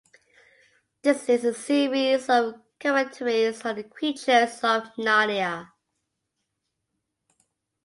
This is a series of commentaries on the creatures of Narnia.